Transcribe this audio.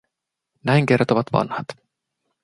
Näin kertovat vanhat.